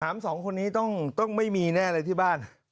สองคนนี้ต้องไม่มีแน่เลยที่บ้าน